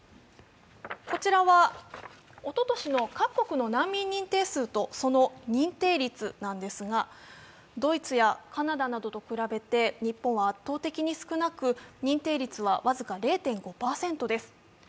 こちらはおととしの各国の難民民定数とその認定率なんですが、ドイツやカナダなどと比べて日本は圧倒的に少なく認定率は僅か０．５％です。